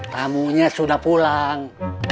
tamunya sudah pulang